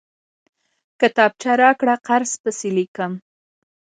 کتابچه راکړه، قرض پسې ليکم!